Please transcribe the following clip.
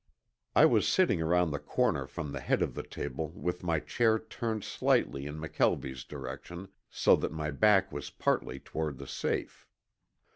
I was sitting around the corner from the head of the table with my chair turned slightly in McKelvie's direction so that my back was partly toward the safe.